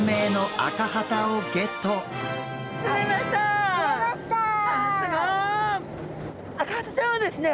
アカハタちゃんはですね